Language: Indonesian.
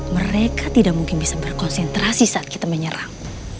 mereka tidak mungkin bisa berkonsentrasi saat kita menyerang